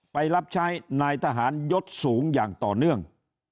ไปรับใช้นายทหารยศสูงอย่างต่อเนื่อง